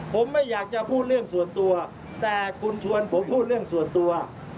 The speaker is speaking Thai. ผมไม่อยากจะพูดเรื่องส่วนตัวแต่คุณชวนผมพูดเรื่องส่วนตัว